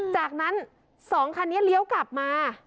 จากนั้น๒คันนี้เลี้ยวกลับมา